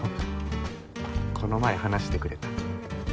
この前話してくれた？